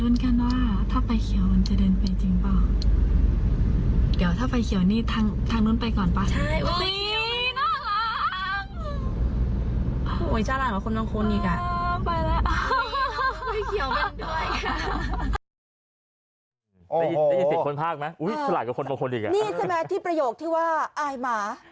นี่ใช่ไหมที่ประโยคที่ว่าอายหมาใช่ไหม